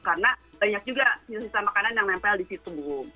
karena banyak juga sisa sisa makanan yang menempel di situ